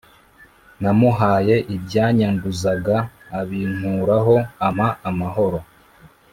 Namuhaye ibyanyanduzaga abinkuraho ampa amahoro